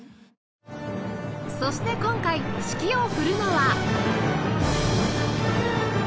そして今回指揮を振るのは